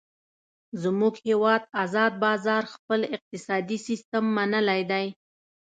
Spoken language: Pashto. زمونږ هیواد ازاد بازار خپل اقتصادي سیستم منلی دی.